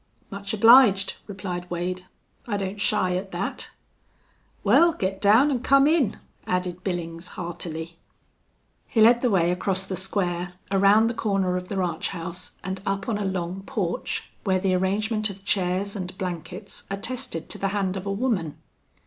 "Much obliged," replied Wade. "I don't shy at that." "Wal, git down an' come in," added Billings, heartily. He led the way across the square, around the corner of the ranch house, and up on a long porch, where the arrangement of chairs and blankets attested to the hand of a woman.